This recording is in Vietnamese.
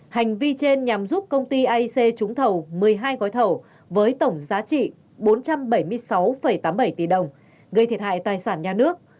hành vi trên nhằm giúp công ty aic trúng thầu một mươi hai gói thầu với tổng giá trị bốn trăm bảy mươi sáu tám mươi bảy tỷ đồng gây thiệt hại tài sản nhà nước